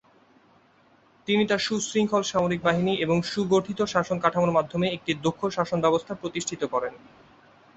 তিনি তার সুশৃঙ্খল সামরিক বাহিনী এবং সুগঠিত শাসন কাঠামোর মাধ্যমে একটি দক্ষ শাসন ব্যবস্থা প্রতিষ্ঠিত করেন।